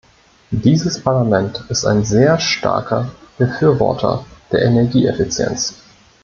Dieses Parlament ist ein sehr starker Befürworter der Energieeffizienz.